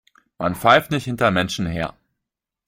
Man pfeift nicht hinter Menschen her.